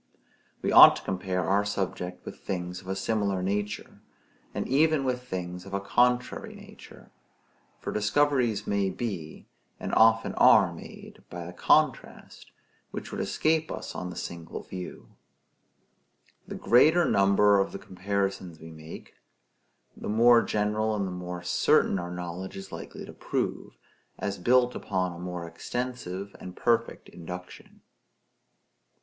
We ought to compare our subject with things of a similar nature, and even with things of a contrary nature; for discoveries may be, and often are made by the contrast, which would escape us on the single view. The greater number of the comparisons we make, the more general and the more certain our knowledge is likely to prove, as built upon a more extensive and perfect induction.